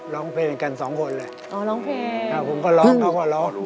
ร้องเพลงกันสองคนเลยอ๋อร้องเพลงอ่าผมก็ร้องเขาก็ร้อง